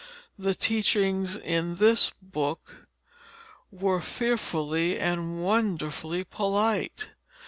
The teachings in this book were fearfully and wonderfully polite.